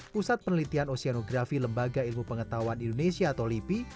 pusat penelitian oseanografi lembaga ilmu pengetahuan indonesia atau lipi